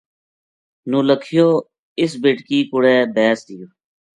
نولکھیو اس بیٹکی کو ڑے بیس رہیو